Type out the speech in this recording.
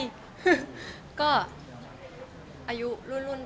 ไม่นะคะไม่อึดอันปกติ